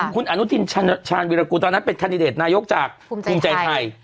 คุณอนุทินชาญวิรากูลตอนนั้นเป็นคันดิเดตนายกจากภูมิใจไทย